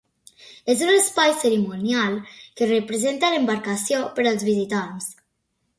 És un espai cerimonial, que representa l'embarcació per als visitants.